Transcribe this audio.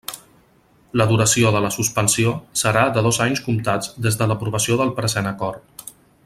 La duració de la suspensió serà de dos anys comptats des de l'aprovació del present acord.